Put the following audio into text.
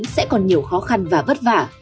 sẽ còn nhiều khó khăn và vất vả